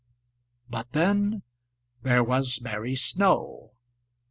But then there was Mary Snow!